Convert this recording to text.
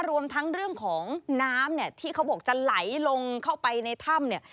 รวมทั้งเรื่องของน้ำเนี่ยที่เขาบอกจะไหลลงเข้าไปในถ้ำเนี่ย